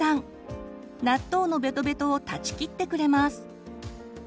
納豆のベトベトを断ち切ってくれます。